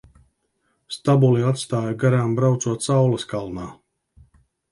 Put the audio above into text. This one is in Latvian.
Stabuli atstāju garām braucot saules kalnā.